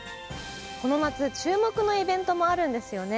この夏注目のイベントもあるんですよね。